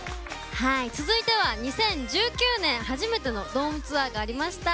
続いては、２０１９年初めてのドームツアーがありました。